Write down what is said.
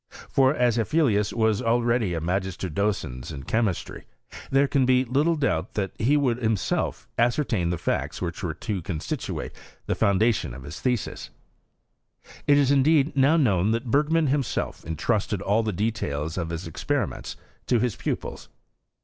For, as Afzelius was already a magister docens in chemistry, there can be little doubt that he would himself ascertain tlie facts which were to constitute the foundation of his thesis. It is indeed now knowa that Bergman himself intrusted all the details of his experiments to his pupils.